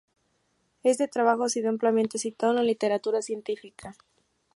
Este trabajo ha sido ampliamente citado en la literatura científica.